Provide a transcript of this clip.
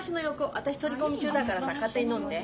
私取り込み中だからさ勝手に飲んで。